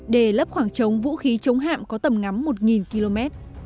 để lấp khoảng trống vũ khí chống hạm có tầm ngắm một km